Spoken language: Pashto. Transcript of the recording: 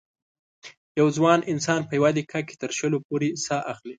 یو ځوان انسان په یوه دقیقه کې تر شلو پورې سا اخلي.